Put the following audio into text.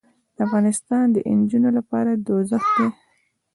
دافغانستان د نجونو لپاره دوزخ دې